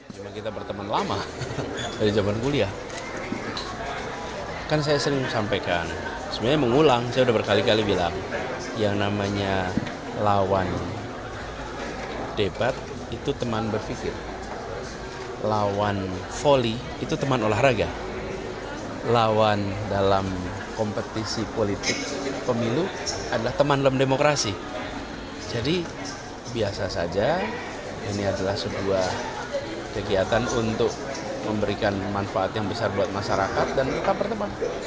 jadi biasa saja ini adalah sebuah kegiatan untuk memberikan manfaat yang besar buat masyarakat dan kita berteman